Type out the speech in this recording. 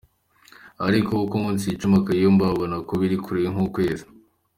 ariko uko iminsi yicuma Kayumba abona ko biri kure nk’ukwezi .